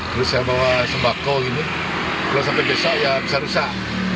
terus saya bawa sembako gitu kalau sampai desa ya bisa rusak